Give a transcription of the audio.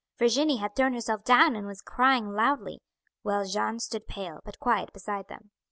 Virginie had thrown herself down and was crying loudly; while Jeanne stood pale, but quiet, beside them.